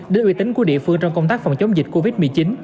đến uy tín của địa phương trong công tác phòng chống dịch covid một mươi chín